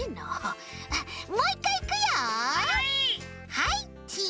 はいチーズ！